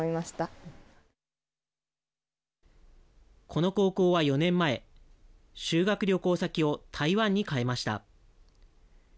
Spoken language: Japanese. この高校は４年前修学旅行先を台湾に変えました。